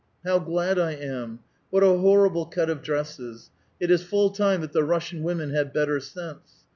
IIow glad I am ! What a horrible cut of dresses. It is full time that the Russian women had better sense.